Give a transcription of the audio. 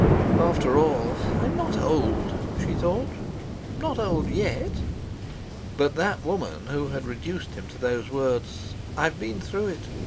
"After all, I'm not old," she thought, "not old yet!" But that woman who had reduced him to those words: "I've been through it.